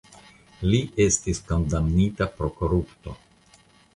Li estis kondamnita pro korupto.